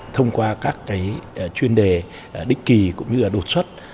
thông qua các chuyên đề đích kỳ cũng như đột xuất